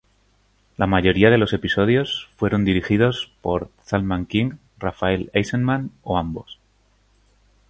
La mayoría de los episodios fueron dirigidos por Zalman King, Rafael Eisenman o ambos.